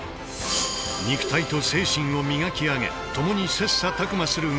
肉体と精神を磨き上げ共に切磋琢磨する道。